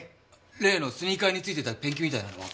例のスニーカーに付いてたペンキみたいなのは？